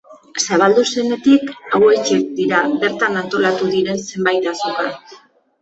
Zabaldu zenetik hauexek dira bertan antolatu diren zenbait azoka.